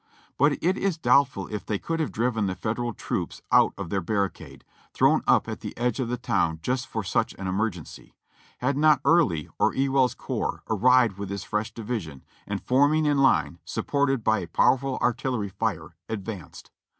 But it is doubtful if they could have driven the Federal troops out of their barricade, thrown up at the edge of the town for just such an emergency, had not Early, of Ewell's corps, arrived with his fresh division, and forming in line, supported by a powerful artillery fire, advanced.